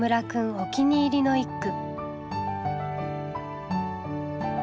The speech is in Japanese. お気に入りの一句。